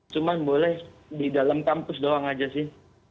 cuma boleh di dalam kampus doang aja sih